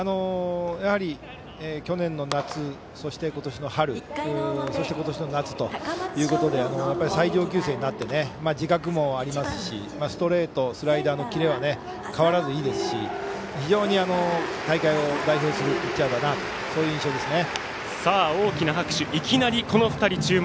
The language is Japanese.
やはり去年の夏そして今年の春そして、今年の夏ということで最上級生になって自覚もありますしストレート、スライダーのキレは変わらずいいですし非常に大会を代表するピッチャーだなとそういう印象ですね。